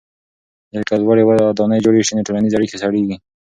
که لوړې ودانۍ جوړې سي نو ټولنیزې اړیکې سړېږي.